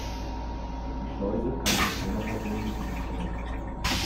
Die Schleuse kann von einer Person bedient werden.